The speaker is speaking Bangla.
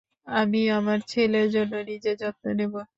আমি আমার ছেলের জন্য নিজের যত্ন নেব।